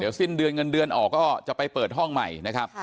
สิ้นเดือนเงินเดือนออกก็จะไปเปิดห้องใหม่นะครับ